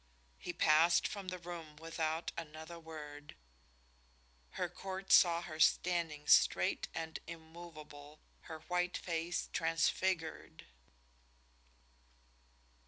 He passed from the room without another word. Her Court saw her standing straight and immovable, her white face transfigured.